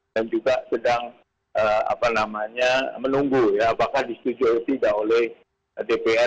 dan juga sedang menunggu apakah disetujui atau tidak oleh dpr